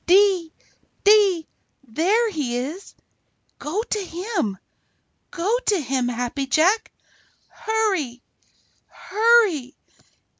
"Dee, dee, dee, there he is! Go to him! Go to him, Happy Jack! Hurry! Hurry!